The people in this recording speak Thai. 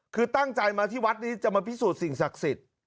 คือตั้งใจมาที่วัดนี้จะมาพิสูจน์สิ่งศักดิ์สิทธิ์